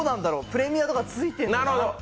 プレミアとかついてんのかな。